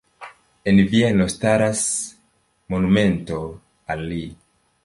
En Vieno staras monumento al li.